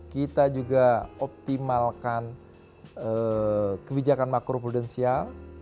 kita juga optimalkan kebijakan makro prudensial